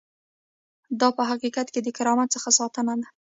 دا په حقیقت کې د کرامت څخه ساتنه ده.